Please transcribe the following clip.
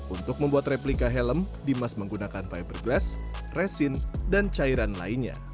untuk membuat replika helm dimas menggunakan fiberglass resin dan cairan lainnya